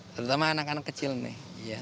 terutama anak anak kecil nih